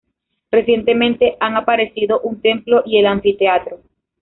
Recientemente han aparecido un Templo y el Anfiteatro.